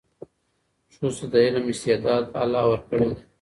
ښځو ته د علم استعداد الله ورکړی دی.